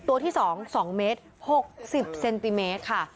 ตัวที่สองสองเมตรหกสิบเซนติเมตรค่ะ